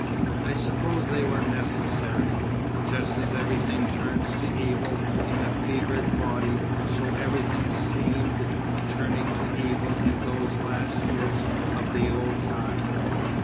I suppose they were necessary. Just as everything turns to evil in a fevered body so everything seemed turning to evil in those last years of the old time.